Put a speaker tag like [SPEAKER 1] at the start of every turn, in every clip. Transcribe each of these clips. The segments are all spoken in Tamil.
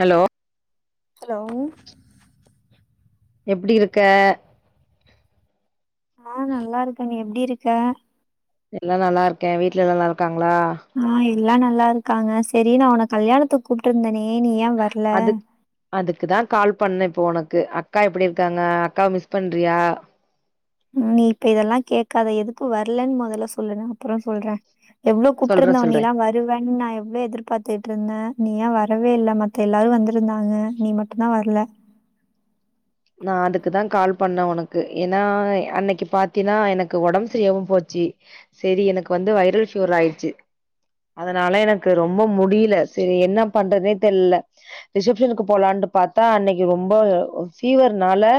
[SPEAKER 1] ஹலோ
[SPEAKER 2] ஹலோ
[SPEAKER 1] எப்டி இருக்க
[SPEAKER 2] அ நல்லா இருக்கே நீ எப்டி இருக்க
[SPEAKER 1] எல்லா நல்லா இருக்கே வீட்ல எல்லா நல்லாருக்காங்களா
[SPEAKER 2] அ எல்லா நல்லா இருக்காங்க சரி நா ஒன கல்யாணத்து கூப்ட்டு இருந்தேனே நீ ஏ வர்ல
[SPEAKER 1] அதுக் அதுக்கு தான் கால் பண்ணே இப்போ உனக்கு அக்கா எப்டி இருக்காங்க அக்காவ மிஸ் பண்றியா
[SPEAKER 2] ம் நீ இப்ப இதெல்லா கேக்காத எதுக்கு வரலன்னு மொதல சொல்லு அப்றோ சொல்றே எவ்ளோ
[SPEAKER 1] சொல்றே
[SPEAKER 2] கூப்ட்டுருந்தோ நீ
[SPEAKER 1] சொல்றே
[SPEAKER 2] லாம் வ வருவ நா எவ்ளோ எதிர்பாத்துட்டுருந்தேன் நீ ஏ வரவே இல்ல மத்த எல்லாரு வந்திருந்தாங்க நீ மட்டு தா வரல
[SPEAKER 1] நா அதுக்குதா கால் பண்ணே ஒனக்கு ஏனா அன்னைக்கு பாத்தீனா எனக்கு ஒடம்பு சரியாம போச்சு சரி எனக்கு வந்து வைரல் ஃபீவர் ஆயிருச்சு அதனால எனக்கு ரொம்ப முடில சரி என்ன பண்றதுனே தெரில்ல ரிசப்ஷனுக்கு போலான்னு பாத்தா அன்னிக்கு ரொம்ப ஃபீவர்னால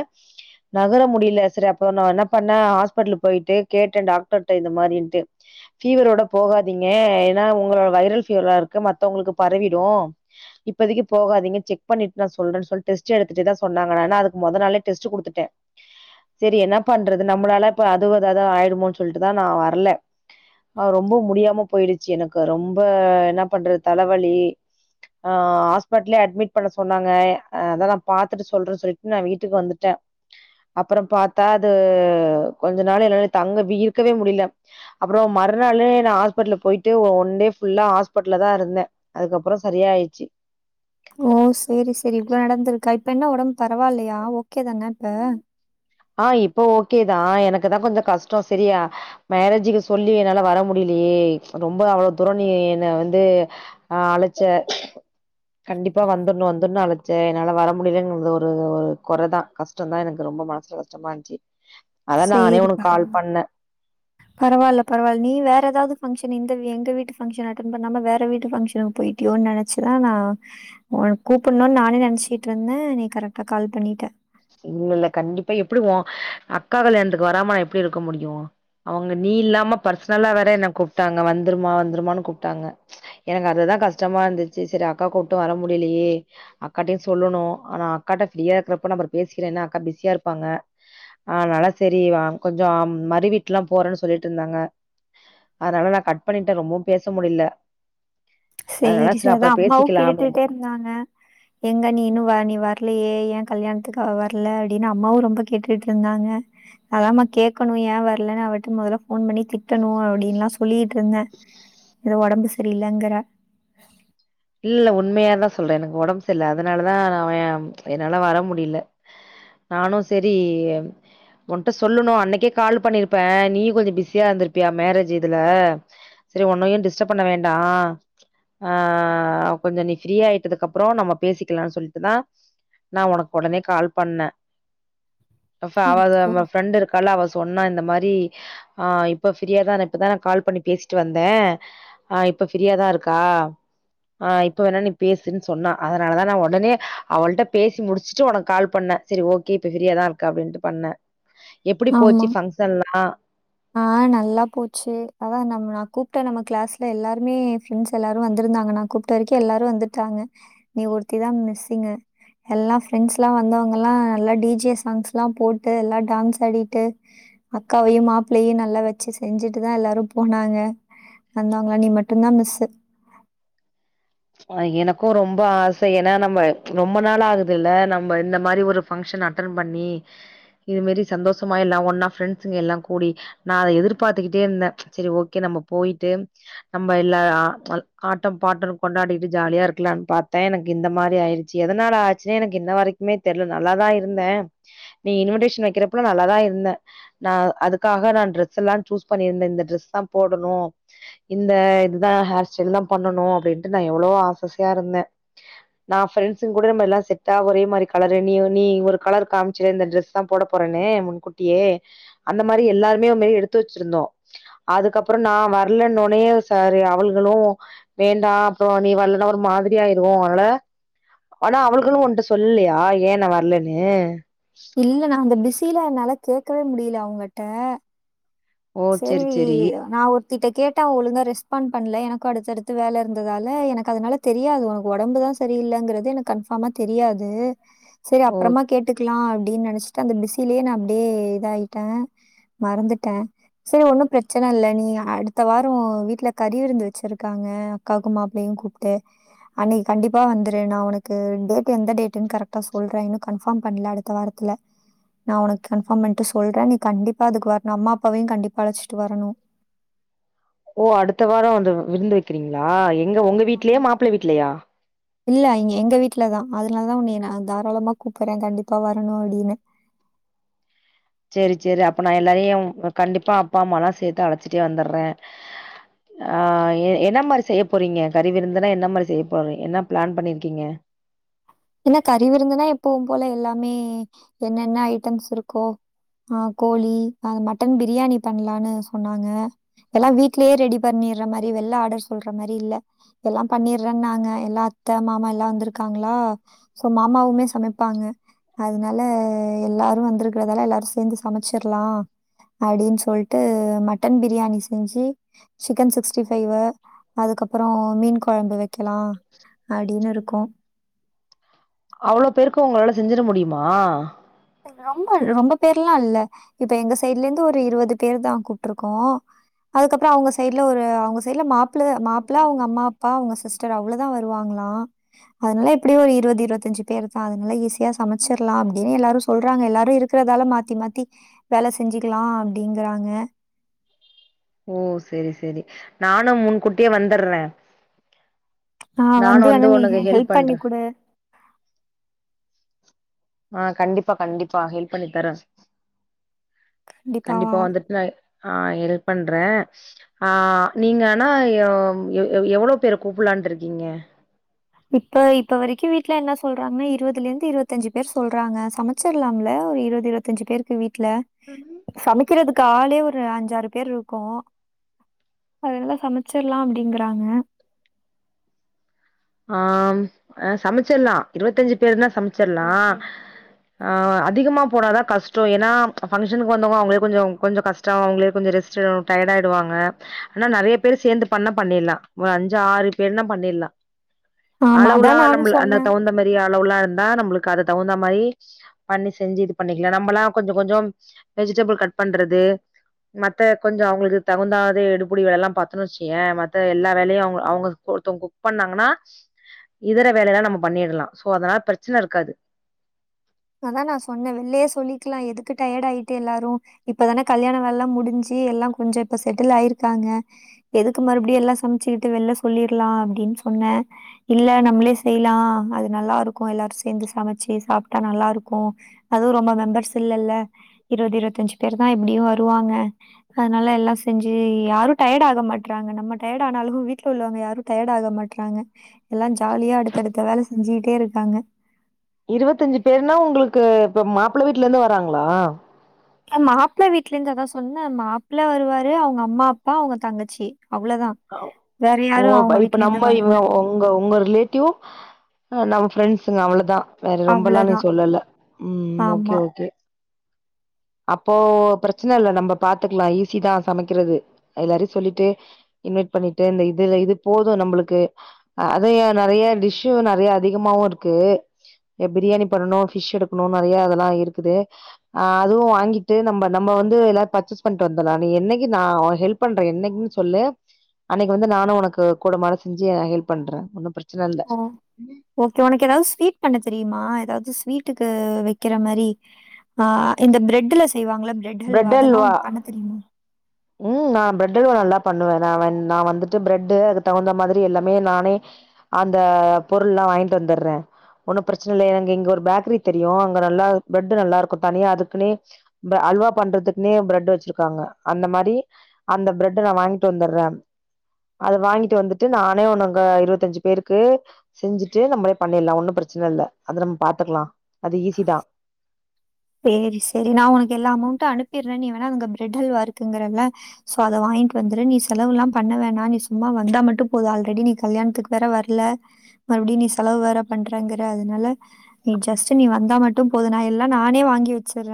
[SPEAKER 1] நகர முடில சரி அப்போ நா என்ன பண்ண ஹாஸ்பிடலு போயிட்டு கேட்டே டாக்டர்கிட்ட இந்த மாரின்ட்டு ஃபீவரோட போகாதீங்க ஏன்னா உங்களோட வைரல் ஃபீவரா இருக்க மத்தவங்களுக்கு பரவிடும் இப்பதைக்கு போகாதிங்க செக் பண்ணிட்டு நா சொல்றே சொல்ல டெஸ்ட் எடுத்துட்டு தா சொ [unintelligible] அதுக்கு மொத நாளே டெஸ்ட் குடுத்துட்டே சரி என்ன பண்றது நம்மளால இப்ப அதுதாவது ஆயிடுமோன்னு சொல்லிட்டுதா நா வரல அ ரொம்ப முடியாம போயிடுச்சு எனக்கு ரொம்ப என்ன பண்றது தலவலி அ ஹாஸ்பிட்டலயே அட்மிட் பண்ண சொன்னாங்க அதான பா [unintelligible] சொல்ற சொல்லிட்டு நா வீட்டுக்கு வந்துட்டே அப்பறோ பாத்தா அது கொஞ்ச நாள் என்னால தங்க வீர்க்கவே முடில அப்றோ மறுநாளு நா ஹாஸ்பிட்டலுக்கு போயிட்டு ஒன் டே ஃபுல்லா ஹாஸ்பிடல்ல தா இருந்தே அதுக்கப்பறோ சரி ஆயிருச்சு
[SPEAKER 2] ஓ சேரி சேரி இவ்ளோ நடந்திருக்கா இப்ப என்ன ஒடம்பு பரவால்லையா ஓகே தான இப்ப
[SPEAKER 1] ஆ இப்போ ஓகே தா எனக்கு தா கொஞ்ச கஷ்டோ செரியா மேரேஜுக்கு சொல்லி என்னால வர முடியலயே ரொம்ப அவளோ தூரோ நீ என்ன வந்து ஆ அழச்ச கண்டிப்பா வந்துர்ணு வந்துர்ணு அழச்ச என்னால வர முடியலங்கிறது ஒரு ஒரு கொறதா கஷ்டந்தா எனக்கு ரொம்ப மனசு கஷ்டமா இருந்ச்சு அதா நானே
[SPEAKER 2] சேரி
[SPEAKER 1] உனக்கு கால் பண்ண
[SPEAKER 2] பரவால்ல பரவால்ல நீ வேற எதாவ்து ஃபங்க்ஷன் இந்த எங்க வீட்டு ஃபங்க்ஷன் அட்டன் பண்ணாம வேற வீட்டு ஃபங்க்ஷனுக்கு போயிட் டியோனு நெனச்சுதா நா ஒன்ன கூப்புட்ணுனு நானே நெனச்சுகிட்ருந்தே நீ கரெக்டா கால் பண்ணிட்ட
[SPEAKER 1] இல்ல இல்ல கண்டிப்பா எப்டி ஓ அக்கா கல்யாணத்துக்கு வராம நா எப்டி இருக்க முடியு அவ்ங்க நீ இல்லாம பர்ஸ்னலா வேற என்ன கூப்ட்டாங்க வந்துருமா வந்துருமானு கூப்ட்டாங்க எனக்கு அதுதா கஷ்டமா இருந்துச்சு செரி அக்கா கூப்ட்டு வர முடியலயே அக்காட்டயு சொல்லணு ஆனா அக்காட்ட ஃப்ரீயா இருக்கிறப்ப நா அப்பற பேசிக்கிறேன்னா அக்கா பிஸியா இருப்பாங்க அதனாலா செரி வாங் கொஞ்ச மறுவீட்லா போறேன்னு சொல்லிட்ருந்தாங்க அதனால நா கட் பண்ணிட்டே ரொம்பவு பேச முடிய்ல
[SPEAKER 2] செரி சேரி அதா அம்மாவு
[SPEAKER 1] பேசிக்கலா அப்டின்
[SPEAKER 2] கேட்டுட்டே இருந்தாங்க எங்க நீ இன்னு வ நீ வர்லயே ஏ கல்யாணத்துக்கு அவ வர்ல அப்டின்னு அம்மாவு ரொம்ப கேட்டுட்ருந்தாங்க அதாமா கேக்கணு ஏ வர்லன்னு அவட்ட மொதல்ல ஃபோன் பண்ணி திட்டணு அப்டின்லா சொ சொல்லிக்கிட்ருந்தே எதோ ஒடம்பு செரியில்லங்கிற
[SPEAKER 1] இல்ல உண்மயா தா சொல்றே எனக்கு ஒடம்பு செரில்ல அதனாலதா நா எ என்னால வர முடிய்ல நானு செரி ஓன்ட்ட சொல்லணு அன்னைக்கே கால் பண்ணிருப்பே நீ கொஞ்ச பிஸியா இருந்திருப்பியா மேரேஜ் இதுல செரி ஒன்னயு டிஸ்டர்ப் பண்ண வேண்டா ஆ ஆ கொஞ்ச நீ ஃப்ரீ ஆயிட்டதுக்கப்றோ நம்ம பேசிக்கலானு சொல்ட்டு தா நா ஒனக்கு ஒடனே கால் பண்ணே ஃபா அவ
[SPEAKER 2] ம்,
[SPEAKER 1] அது அவ
[SPEAKER 2] ம்.
[SPEAKER 1] ஃபிரெண்டு இருக் க்கலா அவ சொன்னா இந்த மாரி ஆ இப்ப ஃப்ரீயாதான இப்பதா நா கால் பண்ணி பேசிட்டு வந்தே ஆ இப்ப ஃபரீயாதா இருக்கா ஆ இப்ப வேணா நீ பேசுன் சொன்னா அதனாலதா நா ஒடனே அவள்ட்ட பேசி முடிச்ட்டு ஒனக்கு கால் பண்ணே செரி ஓகே இப்ப ஃப்ரீயா தா இருக்கா அப்டின்ட்டு பண்ணே எப்டி
[SPEAKER 2] ஆமா.
[SPEAKER 1] போச்சு ஃபங்க்ஷன்லா
[SPEAKER 2] ஆ நல்லா போச்சு அதா நம்ம நா கூப்ட்ட நம்ம கிளாஸ்ல எல்லாருமே ஃப்ரெண்ட்ஸ் எல்லாரு வந்திருந்தாங்க நா கூப் ட வரைக்கு எல்லாரு வந்துட்டாங்க நீ ஒருத்திதா மிஸ்சிங்கு எல்லா ஃப்ரெண்ட்ஸ்லா வந்தவ்ங்கலா நல்லா டி ஜெ சாங்ஸ்லா போட்டு எல்லா டான்ஸ் ஆடிட்டு அக்காவையு மாப் பிள்ளயு நல்லா வெச்சு செஞ்சுட்டு தா எல்லாரு போனாங்க வந்தவ்ங்களா நீ மட்டுந்தா மிஸ்ஸு
[SPEAKER 1] ஆ எனக்கு ரொம்ப ஆச ஏனா நம்ம ரொம்ப நாள் ஆகுதுல்ல நம்ம இந்த மாரி ஒரு ஃபங்க்ஷன் அட்டன் பண்ணி இது மாரி சந்தோஷமா எல்லா ஒன்னா ஃப்ரெண்ட்ஸுங்க எல்லா கூடி நா அத எதிர்பாத்துக்கிட்டே இருந்தே சேரி ஓகே நம்ம போயிட்டு நம்ப எல்லா ஆ அது ஆட்டம் பாட்டனு கொண்டாடிட்டு ஜாலியா இருக்கலான் பாத்தே எனக்கு இந்த மாரி ஆயிருச்சு எதனால ஆச்சுன்னே எனக்கு இன்ன வரைக் குமே தெர்ல நல்லாதா இருந்தே நீ இன்விடேஷன் வெக்கிறப்பலா நல்லாதா இருந்தே நா அதுக்காக நா டிரெஸெல்லா சூஸ் பண்ணிருந்தே இந்த இந்த ட்ரெஸ் தா போடணு இந்த இதுதா ஹேர் ஸ்டைல் தா பண்ணணு அப்டின்ட்டு நா எவ்ளவோ ஆசாசையா இருந்தே நா ஃப்ரெண்ட்ஸுங் கூட நம்ம எல்லா செட்டா ஒரே மாரி கலரு நீ நீ ஒரு கலரு காமிச்சேல இந்த டிரெஸ் இதுதா போட போறேன்னு முன்கூட்டியே அந்த மாரி எல்லாருமே முன்னாடியே எடுத்து வச்சிருந்தோ அதுக்கப்பற நா வரலன்னொனே சரி அவள்களு வேண்டா அப்ற நீ வர்லன ஒரு மாதிரியாயிருவ அதனால ஆனா அவள்களு ஓங்கிட்ட சொல்லயா ஏய நா வர்லன்னு
[SPEAKER 2] இல்ல நா அந்த பிஸில என்னால கேக்கவே முடியல அவங்கிட்ட
[SPEAKER 1] ஓ செரி
[SPEAKER 2] சேரி
[SPEAKER 1] செரி
[SPEAKER 2] நா ஒரு த்திட்ட கேட்ட அவ ஒழுங்கா ரெஸ்பாண் பண்ணல எனக்கும் அடுத்தடுத்து வேல இருந்ததால எனக்கு அதனால தெரியாது உனக்கு உடம்பு தா ச சரியில்லங்கறது எனக்கு கன்ஃபாமா தெரியாது சரி
[SPEAKER 1] ஓ
[SPEAKER 2] அப்பறமா கே கேட்டுக்குல்லா அப்டின்னு நெனச்சிட்டு அந்த பிசிலே நா அப்டியே இதாகிட்ட மறந்துட்ட சோ ஒன்னு பிரச்சன இல்ல நீ அடுத்த வார வீட்டுல கறிவிருந்து வச்சிருக்காங்க அக்காக்கு மாப்ளையு கூப்ட்டு அன்னிக்கு கண்டிப்பா வந்துரு நா உனக்கு டேட் எந்த டேட்டுன்னு கரெக்டா சொல்ற இன்னு கன்ஃபார்ம் பண்ணல அ அடுத்த வாரத்துல நா உனக்கு கன்ஃபார்ம் பண்ட்டு சொல்ற நீ கண்டிப்பா அதுக்கு வர்ணும் அம்மா அப்பாவையு கண்டிப்பா அழச்சிட்டு வரணும்
[SPEAKER 1] ஓ அடுத்த வார அந்த விருந்து வெக்கிறீங்களா எங்க உங்க வீட்லயா மாப்ள வீட்லயா
[SPEAKER 2] இல்ல இங்க எங்க வீட்டுல தா அதுனால தான உன்னய நா தாராளமா கூப்பற கண்டிப்பா வரணு அப்டின்னு
[SPEAKER 1] சேரி சேரி அப்ப நா எல்லாரையு கண்டிப்பா அப்பா அம்மாலா சேத்து அழச்சுட்டே வந்துடுற ஆ என்ன மாரி செய்ய போறீங்க கறிவிருந்துன்னா என்ன மாரி செய்ய போறி என்ன பிளான் பண்ணிருக்கீங்க
[SPEAKER 2] என்ன கறி விருந்துன்னா எப்பவு போல எல்லாமே என்னென்ன ஐட்டம்ஸ் இருக்கோ ஆ கோழி அ மட்டன் பிரியாணி பண்ணலானு சொன்னாங்க இப்ப எல்லா வீட்லயே ரெடி பண்ணிற மாரி வெள்ள ஆர்டர் சொல்ற மாரி இல்ல எல்லா பண்ணிறன்னாங்க எல்லா அத்த மாமா எல்லா வந்திருக்காங்களா சோ மாமாவுமே சமைப்பாங்க அதனால எல்லாரு வந்திருக்கறதால எல்லாரு சேந்து சமச்சிர்லா அப்டின்னு சொல்லிட்டு மட்டன் பிரியாணி செஞ்சு சிக்கன் சிக்ஸ்டி ஃபைவு அதுக்கப்பற மீன் குழம்பு வெக்கலா அப்டின்னுருக்கோ
[SPEAKER 1] அவ்ளோ பேருக்கு உங்களால செஞ்சிட முடியுமா
[SPEAKER 2] ரொம்ப ரொம்ப பேர்ல்லா இல்ல இப்ப எங்க சைட்லருந்து ஒரு இருபது பேர் தா கூப்ட்ருக்கோ அதுக்கப்பற அவங்க சைட்ல ஒரு அவங்க சைட்ல மாப்ள மாப்ள அவங்க அம்மா அப்பா அவங்க சிஸ் டர் அவ்ளோதா வருவாங்களா அதனால எப்டியோ ஒரு இருபது இருபத்தஞ்சு பேர் தா அதுனால ஈஸியா சமச்சிடலா அப்டின்னு எல்லாரு சொ சொல்றாங்க எல்லாரு இருக்கிறதால மாத்தி மாத்தி வேல செஞ்சுக்கலா அப்டிங்கறாங்க
[SPEAKER 1] ஓ சேரி சேரி நானு முன்கூட்டியே வந்துர்ற
[SPEAKER 2] ஆ
[SPEAKER 1] நானு வந்து
[SPEAKER 2] வேணா நீ
[SPEAKER 1] ஒனக்கு ஹெல்ப்
[SPEAKER 2] பண்ணி
[SPEAKER 1] பண்ற
[SPEAKER 2] குடு
[SPEAKER 1] ஆ கண்டிப்பா கண்டிப்பா ஹெல்ப் பண்ணி தர கண்டிப்பா வந்துட்டு நா ஆ ஹெல்ப் பண்ற ஆ நீங்க ஆனா எவ்ளோ பேரு கூப்பலான்ட்டுருக்கீங்க
[SPEAKER 2] இப்ப இப்ப வரைக்கும் வீட்டுல என்ன சொல்றாங்கன்னா இருபதுலருந்து இருபத்தஞ்சு பேர் சொல்றாங்க சமச் ச்சிர்லாம்ல ஒரு இருபது இருபத்தஞ்சு பேருக்கு வீட்ல சமைக்கிறதுக்கு ஆளே ஒரு அஞ்சாறு பேரு இருக்கோ அதனால சமச்சிர்லா அப்டிங்கறாங்க
[SPEAKER 1] ஆ சமச்சிர்லா இருபத்தஞ்சு பேருன்னா சமச்சிர்லா ஆ அதிகமா போனாதா கஷ்ட ஏன்னா ஃபங்க்ஷனுக்கு வந்தவங்க அவங்களே கொஞ்ச கொஞ்ச கஷ் ச அவங்களே கொஞ்ச ரெஸ்ட் எடுக்கன்னு டயர்டா ஆயிடுவாங்க ஆனா நறைய பேர் சேந்து பண்ணா பண்ணிலா ஒரு அஞ்சி ஆறு பேர்னா பண்ணிலா
[SPEAKER 2] ஆமா,
[SPEAKER 1] அளவுலா
[SPEAKER 2] அதான் நானும்
[SPEAKER 1] நம்மல அந்த
[SPEAKER 2] சொன்னேன்.
[SPEAKER 1] தவுந்த மரி அளவுல்லா இருந்தா நம்ளுக்கு அத தவுந்த மரி பண்ணி செஞ்சி இது பண்ணிகலா நம்பலா கொஞ்ச கொஞ்ஜோ வெஜிடபிள் கட் பண்றது மத்த கொஞ்ச அவுங்ளுக்கு தகுந்த அதே எடுபுடி வேலல்லா பாத்தோணு வச்சிக்கய மத்த எல்லா வேலையு அவுங்க அவுங்க ஒருத்தவங் பண்ணாங்கனா இதர வேலைலா நம்ம பண்ணிடலா சோ அதனால பிரச்சன இருக்காது
[SPEAKER 2] அதா நா சொன்ன வெள்ளலயே சொல்லிக்கலா எதுக்கு டயட் ஆயிட்டு எல்லாரு இப்பதன கல்யாண வேல்லா முடிஞ்சி எல்லா கொஞ்ச இப்ப செட்டில் ஆயிருக்காங்க எதுக்கு மறுபடியு எல்லா சமச்சிகிட்டு வெள்ல சொல்லிலா அப்டின் சொன்ன இல்ல நம்ளே செய்லா அது நல்லா இருக்கு எல்லாரு சேந்து சமைச்சி சாப் டா நல்லா இருக்கு அதுவு ரொம்ப மெம்பர்ஸ் இல்லல்ல இருவது இருவத்தஞ்சி பேருதா எப்டியு வருவாங்க அதனால எல்லா செஞ்சி யாரும் டயடு ஆக மாட்றாங்க நம்ம டயடு ஆனாலும் வீட்ல உள்ளவங்க யாரும் டயடு ஆக மாட்றாங்க எல்லா ஜாலியா அடுத்தடுத்த வேல செஞ்சிகிட்டே இருக்காங்க
[SPEAKER 1] இருவத்தஞ்சி பேருனா உங்ளுக்கு இப்ப மாப்பள வீட்ல இருந்து வராங்ளா
[SPEAKER 2] அ மாப்ள வீட்லந்து அதா சொன்ன மாப்ள வருவாரு அவங்க அம்மா அப்பா அவங்க தங்கச்சி அவ்ளதா
[SPEAKER 1] ஓ இப்ப நம்ம இவ
[SPEAKER 2] வரல.
[SPEAKER 1] ஒ உங்க உங்க ரிலேட்டிவ் நம்ம ஃப்ரெண்ஸ்சுங்க அவ்ளதா வேற ரொம்பலா நீ
[SPEAKER 2] அவ்வளோதான்.
[SPEAKER 1] சொல்லல ம் ஓகே
[SPEAKER 2] ஆமா.
[SPEAKER 1] ஓகே அப்போ பிரச்சன இல்ல நம்ம பாத்துக்கலா ஈஸிதா சமைக்கறது எல்லாரையு சொல்லிட்டு இன்வைட் பண்ணிட்டு இந்த இதுல இது போதும் நம்ளுக்கு அது ஏ நறையா டிஷ்ஷும் நறையா அதிகமாவு இருக்கு ஏ பிரியாணி பண்ணணு ஃபிஷ் எடுக்கணு நறையா அதெல்லா இருக்குது ஆ இதுவு வாங்கிட்டு நம்ம நம்ம வந்து எல்லாரு பச்சேஸ் பண்ணிட்டு வந்துர்லா நீ என்னக்கி நா ஹெல்ப் பண்ற என்னைக்கின் சொல்லு அன்னக்கி வந்து நானும் உனக்கு கூட மாட செஞ்சி ஹெல்ப் பண்ற ஒன்னு பிரச்சன இல்ல
[SPEAKER 2] ஓ! ஓகே உனக்கு ஏதாவது ஸ்வீட் பண்ண தெரியுமா ஏதாவது ஸ்வீட்டுக்கு வக்கிற மாரி ஆ இந்த பிரெட்டுல செய்வாங்களா பிரெட் அல்வா அதெல்லா உனக்கு பண்ண தெரியுமா
[SPEAKER 1] ம் நா பிரெட் அல்வா நல்லா பண்ணுவே நா நா வந்துட்டு பிரெட்டு அதுக்கு தவுந்த மாதிரி எல்லாமே நானே அந்த பொருள்ல்லா வாங்கிட் வந்துர்ற ஒன்னு பிரச்சன இல்ல அங்க இங்க ஒரு பேக்கரி தெரியு அங்க நல்லா ப்ரெட் நல்லா இருக்கு தனியா அதுக்குனே அல்வா பண்றதுக்குனே ப்ரெட் வச்சிருக்காங்க அந்த மாரி அந்த ப்ரெட்ட நா வாங்கிட் வந்துட்ற அத வாங்கிட்டு வந்துட்டு நானே ஒனக்கு இருவத்தஞ்சி பேருக்கு செஞ்சிட்டு நம்ளே பண்ணிலா ஒன்னு பிரச்சன இல்ல அத நம் பாத்துக்கலா அது ஈஸி தா
[SPEAKER 2] சேரி சேரி நா உனக்கு எல்லா அமௌண்ட்டு அனுப்பிட்ற நீ வேணா அங்க ப்ரெட் அல்வா இருக்குங்கறல்ல சோ அத வாங்கிட் வந்துரு நீ செலவுல்லா பண்ண வேணா நீ சும்மா வந்தா மட்டு போதும் ஆல்ரெடி நீ கல்யாண்த்துக் வேற வர்ல மறுபடியு நீ செலவு வேற பண்றங்கற அதனால நீ ஜஸ்ட் நீ வந்தா மட்டு போது நா எல்லா நானே வாங்கி வச்சிர்ற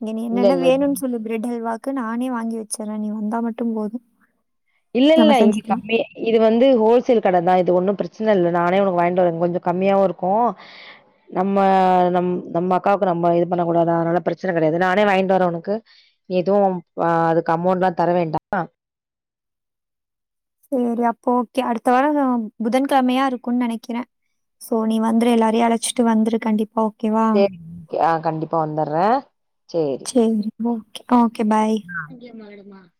[SPEAKER 2] இங்க நீ
[SPEAKER 1] இல்ல
[SPEAKER 2] என்னென்ன
[SPEAKER 1] இல்ல
[SPEAKER 2] வேணுன் சொ முலு ப்ரெட் அல்வாக்கு நானே வாங்கி வச்சிர்ற நீ வந்தா மட்டு போதும் நம்ம
[SPEAKER 1] இல்லல்ல இங்க
[SPEAKER 2] செஞ்சுக்கலாம்
[SPEAKER 1] கம்மி இது வந்து ஹோல்சேல் கட தா இது ஒன்னு பிரச்சன இல்ல நானே உனக் வாங்கிட் வற்ற கொஞ்ச கம்மியாவு இருக்கு நம்ம நம் நம்ம அக்காவுக்கு நம்ம இது பண்ண கூடாதா அதனால பிரச்சன கடையாது நானே வாங்கிட் வற்ற உனக்கு ஏதோ அம் அதுக்கு அமௌண்ட்லா தர வேண்டா
[SPEAKER 2] சேரி அப்போ ஓகே அடுத்த வாரம் புதன்கிழமையா இருக்குன் நனைக்கிற சோ நீ வந்துரு எல்லாரையு அழச்சிட் வந்துரு கண்டிப்பா ஓகேவா?
[SPEAKER 1] சேரி ஆ கண்டிப்பா வந்தர்ற சேரி
[SPEAKER 2] பேய் இருக்மோ
[SPEAKER 1] [unintelligible]